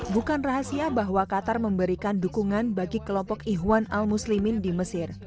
bukan rahasia bahwa qatar memberikan dukungan bagi kelompok ihwan al muslimin di mesir